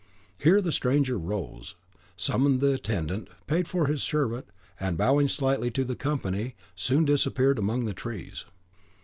Here the stranger rose, summoned the attendant, paid for his sherbet, and, bowing slightly to the company, soon disappeared among the trees.